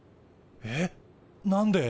えっ何で？